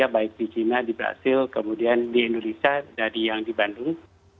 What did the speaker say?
baik di china di brazil kemudian di indonesia dari yang di bandung